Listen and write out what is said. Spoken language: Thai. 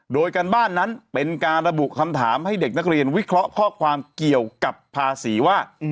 โดยการบ้านนั้นเป็นการระบุคำถามให้เด็กนักเรียนวิเคราะห์ข้อความเกี่ยวกับภาษีว่า